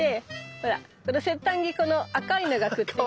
ほらこの先端にこの赤いのがくっついてるの。